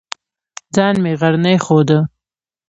ځان مې غرنی ښوده.